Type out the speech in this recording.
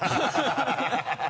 ハハハ